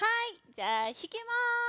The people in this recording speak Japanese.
じゃあひきます。